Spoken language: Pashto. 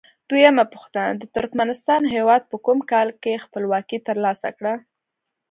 دویمه پوښتنه: د ترکمنستان هیواد په کوم کال کې خپلواکي تر لاسه کړه؟